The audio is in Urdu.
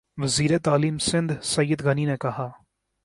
وزیر تعلیم سندھ سعید غنی نےکہا